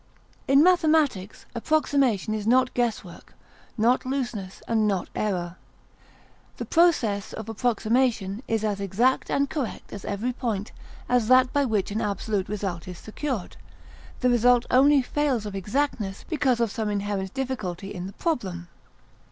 In mathematics, approximation is not guesswork, not looseness, and not error. The process of approximation is as exact and correct at every point as that by which an absolute result is secured; the result only fails of exactness because of some inherent difficulty in the problem.